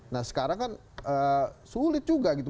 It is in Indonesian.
nah sekarang kan sulit juga gitu